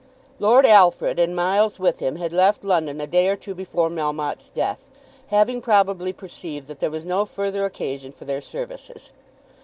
Lord Alfred, and Miles with him, had left London a day or two before Melmotte's death, having probably perceived that there was no further occasion for their services.